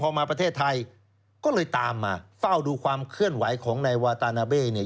พอมาประเทศไทยก็เลยตามมาเฝ้าดูความเคลื่อนไหวของนายวาตานาเบ้เนี่ย